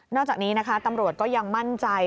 จากนี้นะคะตำรวจก็ยังมั่นใจ